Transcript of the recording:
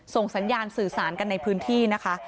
ส่งสัญญาณสื่อสารกันในพื้นที่นะคะ